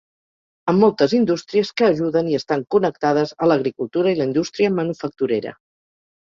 Amb moltes indústries que ajuden i estan connectades a l'agricultura i la indústria manufacturera.